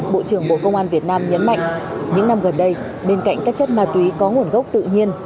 bộ trưởng bộ công an việt nam nhấn mạnh những năm gần đây bên cạnh các chất ma túy có nguồn gốc tự nhiên